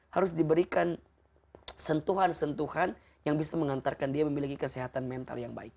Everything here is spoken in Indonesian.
harus diberikan sentuhan sentuhan yang bisa mengantarkan dia memiliki kesehatan mental yang baik